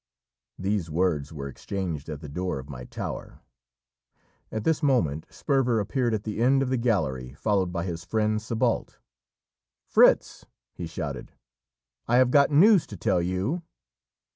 These words were exchanged at the door of my tower. At this moment Sperver appeared at the end of the gallery, followed by his friend Sébalt. "Fritz!" he shouted, "I have got news to tell you."